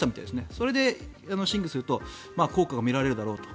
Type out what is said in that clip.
それで審議すると効果が見られるだろうと。